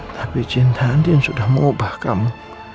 tapi cinta andin sudah mengubah kamu